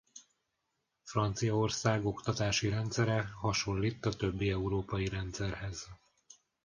Franciaország oktatási rendszere hasonlít a többi európai rendszerhez.